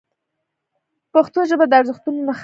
پښتو ژبه د ارزښتونو نښانه ده.